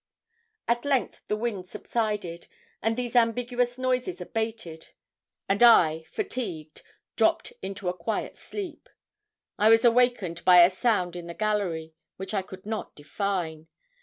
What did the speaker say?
At length the wind subsided, and these ambiguous noises abated, and I, fatigued, dropped into a quiet sleep. I was awakened by a sound in the gallery which I could not define.